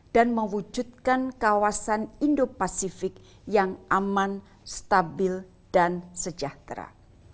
dan mewujudkan kawasan indo pasifik yang aman stabil dan sejahtera